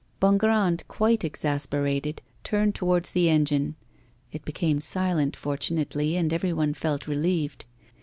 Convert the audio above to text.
Bongrand, quite exasperated, turned towards the engine. It became silent, fortunately, and every one felt relieved.